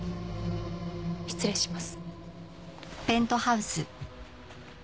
失礼します。